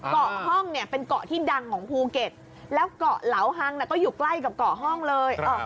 เกาะห้องเนี่ยเป็นเกาะที่ดังของภูเก็ตแล้วเกาะเหลาฮังก็อยู่ใกล้กับเกาะห้องเลย